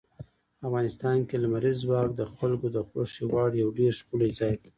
افغانستان کې لمریز ځواک د خلکو د خوښې وړ یو ډېر ښکلی ځای دی.